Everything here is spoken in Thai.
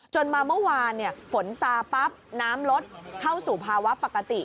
มาเมื่อวานฝนซาปั๊บน้ำลดเข้าสู่ภาวะปกติ